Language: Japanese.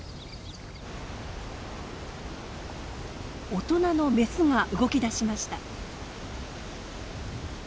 大人のメスが動き出しました。